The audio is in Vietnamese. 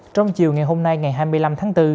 trong chiều ngày hôm nay ngày hai mươi năm tháng bốn